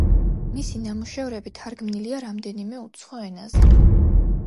მისი ნამუშევრები თარგმნილია რამდენიმე უცხო ენაზე.